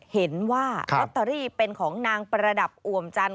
เห็นว่าลอตเตอรี่เป็นของนางประดับอ่วมจันท